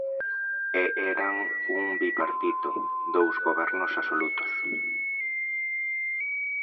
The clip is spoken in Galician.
E eran un bipartito, dous gobernos absolutos.